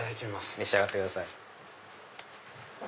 召し上がってください。